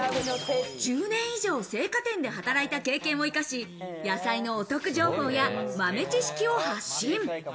１０年以上、青果店で働いた経験を生かし、野菜のお得情報や豆知識を発信。